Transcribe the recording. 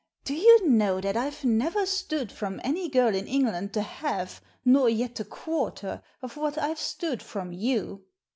* Do you know that I've never stood from any giil in England the hal( nor yet the quarter, of what I've stood from you